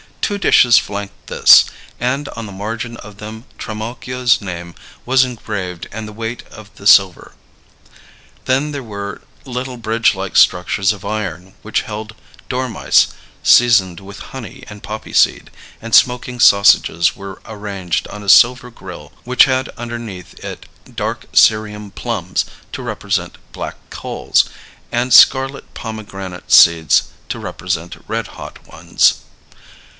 Two dishes flanked this; and on the margin of them Trimalchio's name was engraved and the weight of the silver. Then there were little bridge like structures of iron which held dormice seasoned with honey and poppy seed; and smoking sausages were arranged on a silver grill which had underneath it dark Syrian plums to represent black coals, and scarlet pomegranate seeds to represent red hot ones.